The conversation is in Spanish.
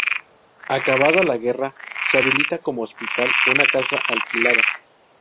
Acabada la guerra, se habilita como hospital una casa alquilada.